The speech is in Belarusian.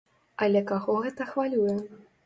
Але каго гэта хвалюе?